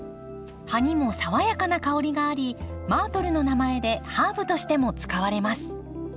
葉にも爽やかな香りがありマートルの名前でハーブとしても使われます。